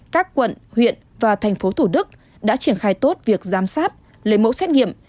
các quận huyện và thành phố thủ đức đã triển khai tốt việc giám sát lấy mẫu xét nghiệm